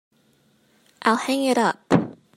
I'll hang it up.